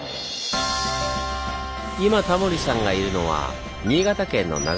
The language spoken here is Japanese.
今タモリさんがいるのは新潟県の長岡駅。